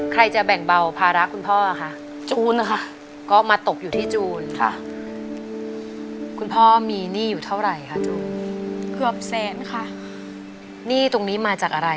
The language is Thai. ใครจะแบ่งเบาภาระคุณพ่อค่ะ